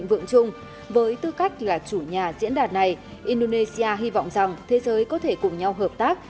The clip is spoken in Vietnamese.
với tư cách là chủ nhà diễn đàn này indonesia hy vọng rằng thế giới có thể cùng nhau hợp tác